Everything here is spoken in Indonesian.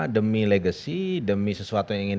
demi legacy demi sesuatu yang ingin